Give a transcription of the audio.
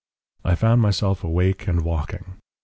"I found myself awake and walking.